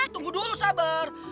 tunggu dulu sabar